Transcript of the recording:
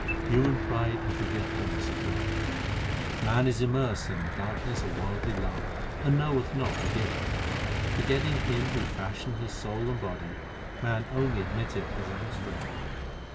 Human pride and forgetfulness of God : Man is immersed in the darkness of worldly love, and knoweth not the Giver. A a 2 356 THE SIKH RELIGION Forgetting Him who fashioned his soul and body man only admit teth his own strength.